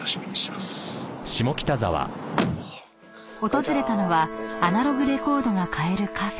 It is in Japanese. ［訪れたのはアナログレコードが買えるカフェ］